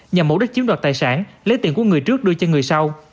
nhằm mẫu đất chiếm đoạt tài sản lấy tiền của người trước đưa cho người sau